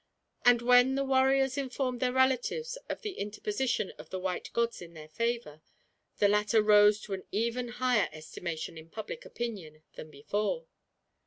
And when the warriors informed their relatives of the interposition of the white gods in their favor, the latter rose to an even higher estimation in public opinion than before.